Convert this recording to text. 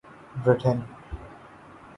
Britain